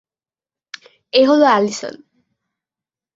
এ হলো অ্যালিসন।